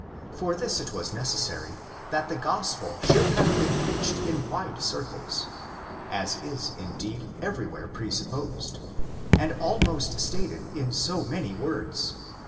For this it was neces sary that the Gospel should have been preached in wide circles; as is, indeed, everywhere presupposed, and almost stated in so many words (x.